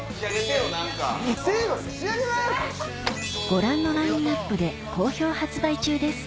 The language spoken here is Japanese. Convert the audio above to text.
ご覧のラインアップで好評発売中です